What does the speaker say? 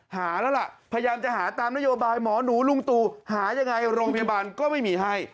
หาแล้วล่ะพยายามจะหาตามนโยบายหมอหนูลุงตูหายังไงโรงพยาบาลก็ไม่มีให้